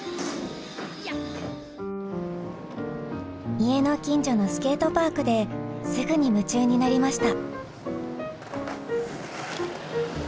家の近所のスケートパークですぐに夢中になりました。